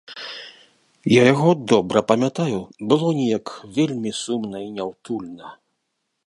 Я яго добра памятаю, было неяк вельмі сумна і няўтульна.